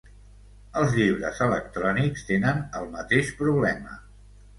Els llibres electrònics tenen el mateix problema.